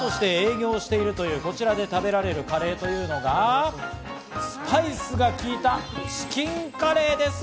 バーとして営業しているという、こちらで食べられるカレーというのが、スパイスが効いたチキンカレーです。